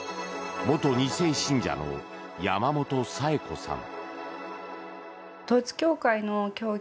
元２世信者の山本サエコさん。